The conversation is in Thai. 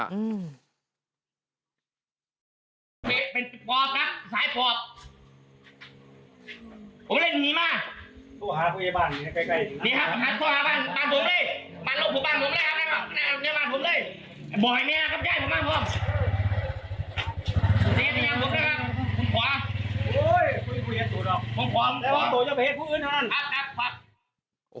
มุมขวามุมขวาทุกคนออกทุกคนออก